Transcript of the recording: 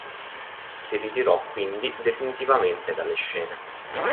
Si ritirò quindi definitivamente dalle scene.